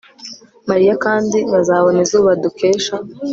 mariya, kandi bazabona izuba dukesha